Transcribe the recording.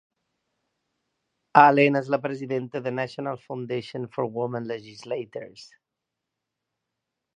Allen és la Presidenta de National Foundation for Women Legislators.